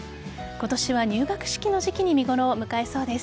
今年は入学式の時期に見頃を迎えそうです。